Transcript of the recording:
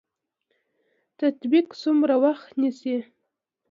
تطبیق څومره وخت نیسي؟